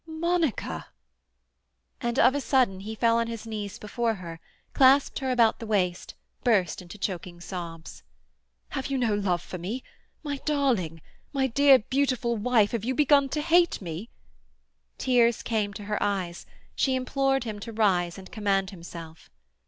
"Monica!" And of a sudden he fell on his knees before her, clasped her about the waist, burst into choking sobs. "Have you no love for me? My darling! My dear, beautiful wife! Have you begun to hate me?" Tears came to her eyes. She implored him to rise and command himself.